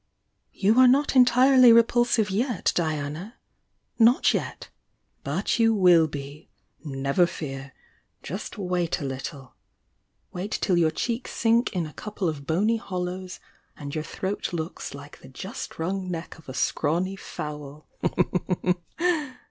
"You are not entirely repulsive yet, Diana! — not yet! But you will be! — never fear! Just wait a little! — wait till your cheeks sink in a couple of bony hollows and your throat looks like the just wrung neck of a scrawny fowl!"